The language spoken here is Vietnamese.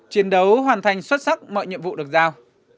chiến đấu hoàn thành xuất sắc mọi nhiệm vụ được giao